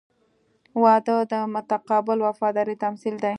• واده د متقابل وفادارۍ تمثیل دی.